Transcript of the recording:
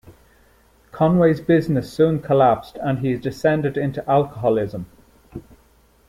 Conway's business soon collapsed and he descended into alcoholism.